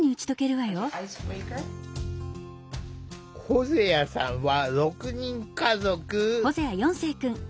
ホゼアさんは６人家族。